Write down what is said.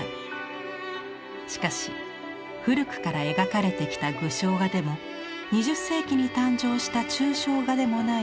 しかし古くから描かれてきた具象画でも２０世紀に誕生した抽象画でもない